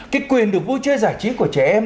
cái quyền được vui chơi giải trí của trẻ em